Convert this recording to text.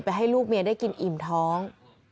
ให้ลูกเมียได้กินอิ่มท้อง